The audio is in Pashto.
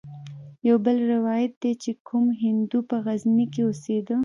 يو بل روايت ديه چې کوم هندو په غزني کښې اوسېده.